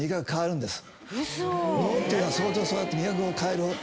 脳っていうのはそうやって味覚を変える。